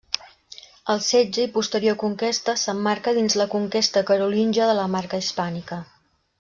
El setge i posterior conquesta s'emmarca dins la conquesta carolíngia de la Marca Hispànica.